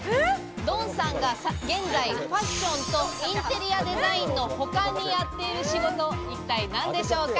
ドンさんが現在、ファッションとインテリアデザインの他にやっている仕事、一体何でしょうか。